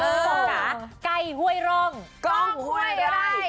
มันต้องการไก่ห้วยร่องกองห้วยไร่